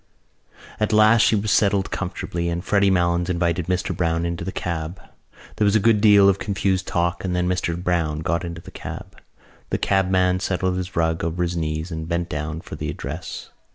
At last she was settled comfortably and Freddy Malins invited Mr Browne into the cab. There was a good deal of confused talk, and then Mr Browne got into the cab. The cabman settled his rug over his knees, and bent down for the address.